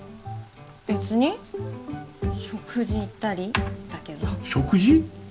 べつに食事行ったりだけど食事？